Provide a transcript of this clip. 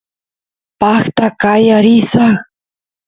paqta qaya risaq